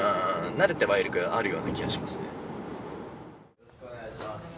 よろしくお願いします。